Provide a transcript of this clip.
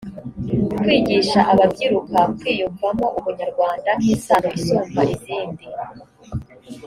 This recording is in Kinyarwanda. kwigisha ababyiruka kwiyumvamo ubunyarwanda nk isano isumba izindi